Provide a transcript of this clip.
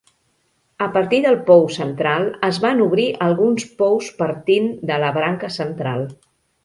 A partir del pou central es van obrir alguns pous partint de la branca central.